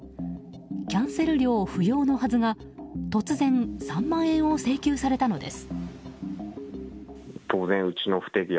キャンセル料不要のはずが突然３万円を請求されたのです。